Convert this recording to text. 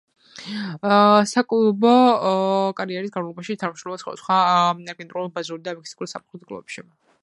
საკლუბო კარიერის განმავლობაში თამაშობდა სხვადასხვა არგენტინულ, ბრაზილიურ და მექსიკურ საფეხბურთო კლუბებში.